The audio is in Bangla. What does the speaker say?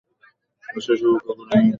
আসলে, সৌভাগ্যক্রমে একজন বেঁচে গেছে।